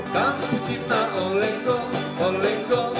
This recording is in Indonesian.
kamu cipta oleh goh oleh goh